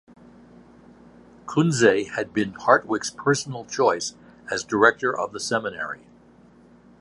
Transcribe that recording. Kunze had been Hartwick's personal choice as director of the seminary.